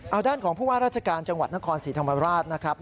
เอาด้านของผู้ว่าราชการจังหวัดนครศรีธรรมราชนะครับ